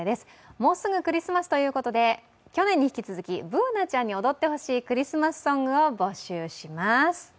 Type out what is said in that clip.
もうすぐクリスマスということで去年に引き続きＢｏｏｎａちゃんに踊ってほしいクリスマスソングを募集します。